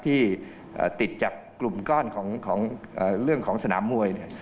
ที่ติดจากกลุ่มก้อนของเรื่องของสนามมวยเนี่ย